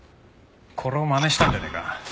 これをまねしたんじゃねえか？